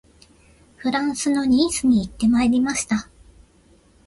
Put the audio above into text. フランスのニースに行ってまいりました